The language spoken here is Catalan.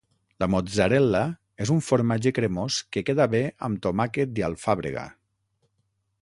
La mozzarella és un formatge cremós que queda bé amb tomàquet i alfàbrega.